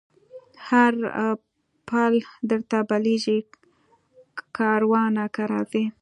هر پل درته بلېږمه کاروانه که راځې